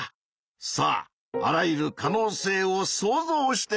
さああらゆる可能性を想像してみてくれ。